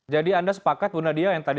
jadi anda sepakat bu nadia yang tadi